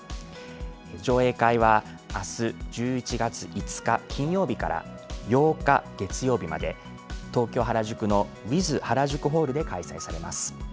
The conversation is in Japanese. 上映会はあす１１月５日、金曜日から８日、月曜日まで東京・原宿のＷＩＴＨＨＡＲＡＪＵＫＵＨＡＬＬで開催されます。